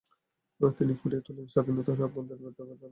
তিনি ফুটিয়ে তোলেন স্বাধীনতাহারা আফগানদের ব্যথা ও বেদনার কথা।